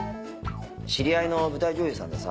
知り合いの舞台女優さんでさ